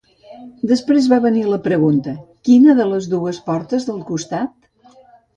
Després va venir la pregunta, quina de les dues portes del costat?